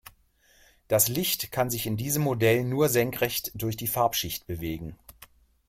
Das Licht kann sich in diesem Modell nur senkrecht durch die Farbschicht bewegen.